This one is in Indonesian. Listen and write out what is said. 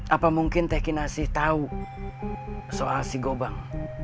apa mungkin teh kinasi tau soal si gobang